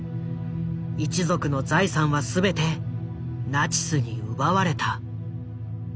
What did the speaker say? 一族の財産は全てナチスに奪われた。